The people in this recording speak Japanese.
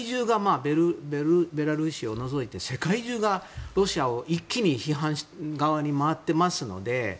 ベラルーシを除いて世界中がロシアの、一気に批判側に回っていますので。